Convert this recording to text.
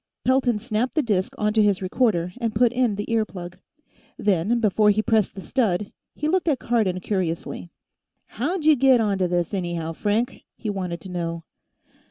Pelton snapped the disk onto his recorder and put in the ear plug. Then, before he pressed the stud, he looked at Cardon curiously. "How'd you get onto this, anyhow, Frank?" he wanted to know.